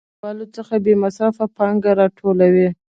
دوی له پانګوالو څخه بې مصرفه پانګه راټولوي